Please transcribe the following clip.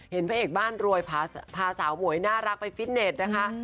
พระเอกบ้านรวยพาสาวหมวยน่ารักไปฟิตเน็ตนะคะ